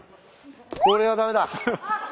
これはダメだ。